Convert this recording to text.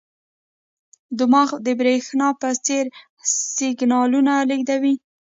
دماغ د برېښنا په څېر سیګنالونه لېږدوي.